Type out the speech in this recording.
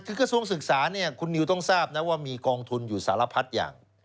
คือกระทรวงศึกษาเนี่ยคุณนิวต้องทราบนะว่ามีกองทุนอยู่สารพัดอย่าง